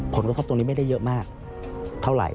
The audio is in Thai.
ผลกระทบตรงนี้ไม่ได้เยอะมากเท่าไหร่